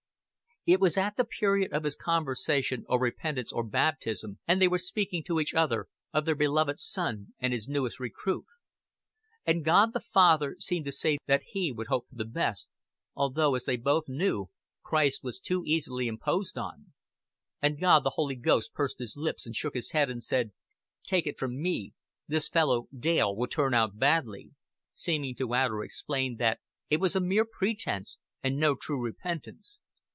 It was at the period of his conversion or repentance or baptism, and they were speaking to each other of Their Beloved Son and His newest recruit. And God the Father seemed to say that He would hope for the best although, as they Both knew, Christ was too easily imposed on. And God the Holy Ghost pursed His lips, and shook His head, and said, "Take it from Me, this fellow Dale will turn out badly" seeming to add or explain that it was a mere pretense and no true repentance.